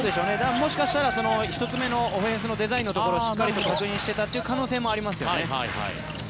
もしかしたらオフェンスのデザインのところをしっかり確認していた可能性もありますね。